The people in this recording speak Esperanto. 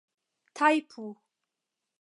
tajpu